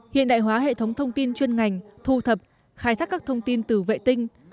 hiện đại hóa hệ thống thông tin chuyên ngành thu thập khai thác các thông tin từ vệ tinh